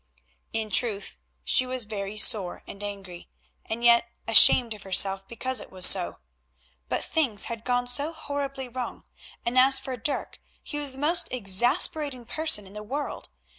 In truth she was very sore and angry, and yet ashamed of herself because it was so. But things had gone so horribly wrong, and as for Dirk, he was the most exasperating person in the world.